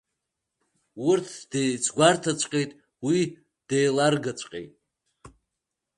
Урҭ деицгәарҭаҵәҟьеит, уи деиларгаҵәҟьеит.